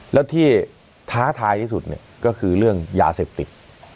แล้วที่ท้าทายที่สุดก็คือเรื่องยาเสพติด